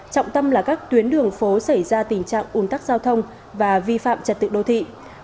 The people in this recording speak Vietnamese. trọng tâm là các tuyến đường phố xảy ra tình trạng ủn tắc giao thông và vi phạm trật tự đô thị